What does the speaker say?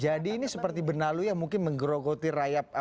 jadi ini seperti benalu yang mungkin menggerogoti rayap